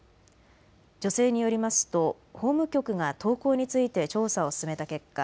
女性によりますと法務局が投稿について調査を進めた結果